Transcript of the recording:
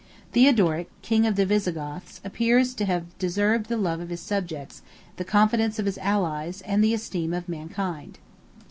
Theodoric, king of the Visigoths, appears to have deserved the love of his subjects, the confidence of his allies, and the esteem of mankind.